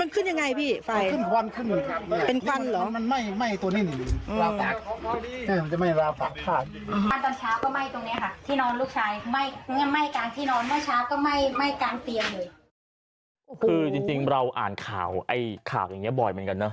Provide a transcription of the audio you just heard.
คือจริงเราอ่านข่าวข่าวอย่างนี้บ่อยเหมือนกันนะ